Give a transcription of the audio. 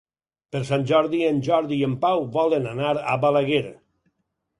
Per Sant Jordi en Jordi i en Pau volen anar a Balaguer.